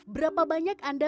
berapa banyak anda